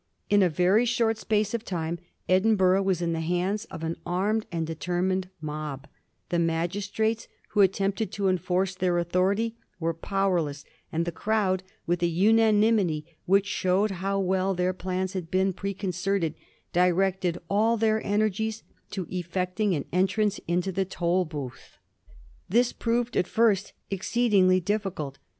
In a very short space of time Edinburgh was in the hands of an armed and determined mob; the magistrates, who attempted to enforce their authority, were powerless, and the crowd, with a unanimity which showed how well their plans had been preconcerted, directed all their energies to effecting an entrance into the Tolbooth. This proved at first exceedingly difficult.